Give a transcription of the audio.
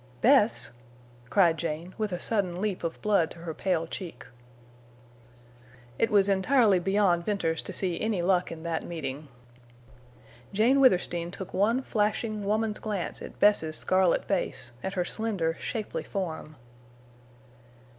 "Bess!" cried Jane, with a sudden leap of blood to her pale cheek. It was entirely beyond Venters to see any luck in that meeting. Jane Withersteen took one flashing, woman's glance at Bess's scarlet face, at her slender, shapely form.